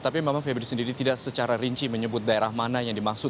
tapi memang febri sendiri tidak secara rinci menyebut daerah mana yang dimaksud